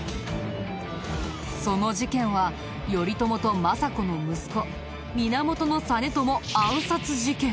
その事件は頼朝と政子の息子源実朝暗殺事件！